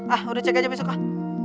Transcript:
ah udah cek aja besok kan